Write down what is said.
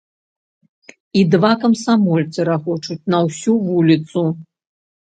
І два камсамольцы рагочуць на ўсю вуліцу.